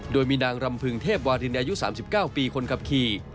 โดยมีนางรำพึงเทพวารินอายุ๓๙ปีคนขับขี่